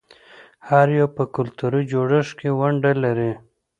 هر یو په کلتوري جوړښت کې ونډه لري.